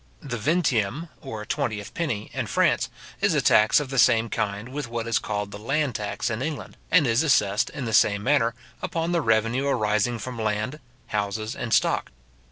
The vingtieme, or twentieth penny, in France, is a tax of the same kind with what is called the land tax in England, and is assessed, in the same manner, upon the revenue arising upon land, houses, and stock.